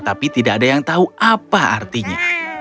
tapi tidak ada yang tahu apa artinya